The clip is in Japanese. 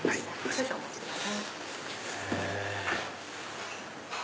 少々お待ちください。